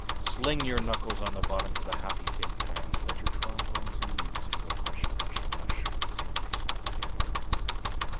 Sling your knuckles on the bottoms of the happy tin pans, let your trombones ooze, and go hushahusha hush with the slippery sand paper.